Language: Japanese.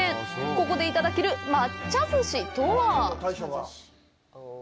ここでいただける「まっちゃずし」とは。